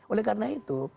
oleh karena itu